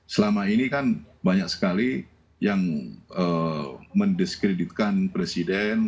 selama ini kan banyak sekali yang mendiskreditkan presiden